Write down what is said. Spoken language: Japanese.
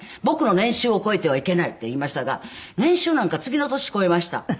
僕の年収を超えてはいけないって言いましたが年収なんか次の年超えました。